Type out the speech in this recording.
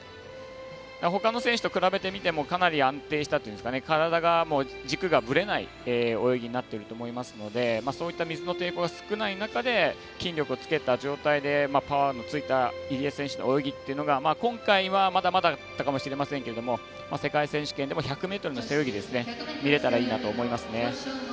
ほかの選手と比べてみてもかなり安定したといいますか体が、軸がぶれない泳ぎになっていると思いますのでそういった水の抵抗が少ない中で筋力をつけた状態でパワーのついた入江選手の泳ぎっていうのが、今回はまだまだだったかもしれませんが世界選手権でも１００ｍの背泳ぎ見れたらいいなと思いますね。